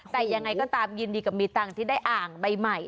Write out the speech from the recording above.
แต่ยังไงก็ตามยินดีกับมีตังค์ที่ได้อ่างใบใหม่